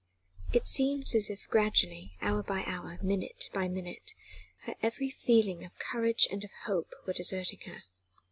It seemed as if gradually, hour by hour, minute by minute, her every feeling of courage and of hope were deserting her.